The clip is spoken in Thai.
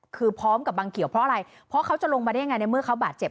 คือพร้อมกับบังเขียวเพราะอะไรเพราะเขาจะลงมาได้ยังไงในเมื่อเขาบาดเจ็บ